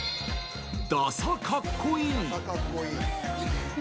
「ダサかっこいい」。